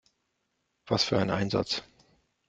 Was für ein Einsatz!